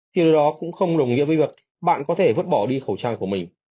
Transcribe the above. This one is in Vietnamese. thì điều đó cũng không đồng nghĩa với việc bạn có thể vứt bỏ đi khẩu trang của mình